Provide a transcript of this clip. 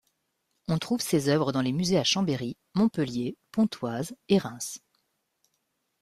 On trouve ses œuvres dans les musées à Chambéry, Montpellier, Pontoise et Reims.